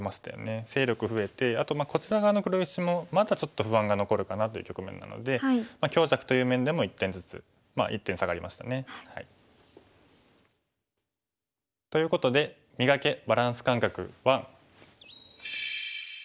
勢力増えてあとこちら側の黒石もまだちょっと不安が残るかなという局面なので強弱という面でも１点ずつ１点下がりましたね。ということで「磨け！バランス感覚１」。